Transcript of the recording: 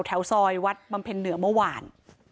แถวซอยวัดบำเพ็ญเหนือเมื่อวาน